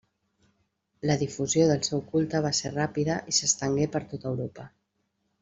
La difusió del seu culte va ser ràpida i s'estengué per tot Europa.